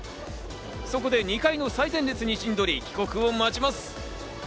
そこで２階の最前列に陣取り、帰国を待ちます。